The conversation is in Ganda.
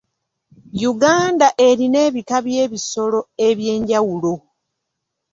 Uganda erina ebika by'ebisolo eby'enjawulo.